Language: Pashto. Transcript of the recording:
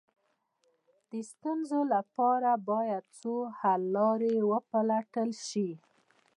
د ستونزو لپاره باید څو حل لارې وپلټل شي.